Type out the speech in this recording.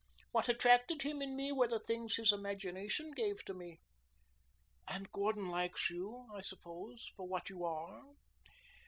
What attracted him in me were the things his imagination gave to me." "And Gordon likes you, I suppose, for what you are?"